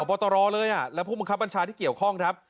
บอตรเลยและผู้บังคับบัญชาที่เกี่ยวข้องครับ